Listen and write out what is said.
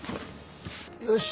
よし！